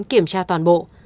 kiểm tra toàn bộ